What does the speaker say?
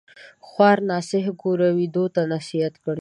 خوار ناصح ګوره ويدو تـــه نصيحت کړي